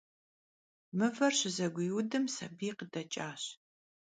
Mıver şızeguiudım sabiy khıdeç'aş.